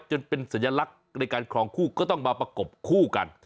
จนเป็นสัญลักษณ์ในการครองคู่ก็ต้องมาประกบคู่กัน